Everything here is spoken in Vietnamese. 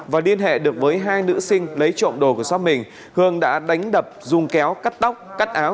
và liên hệ được với hai nữ sinh lấy trộm đồ của shop mình hường đã đánh đập dung kéo cắt tóc cắt áo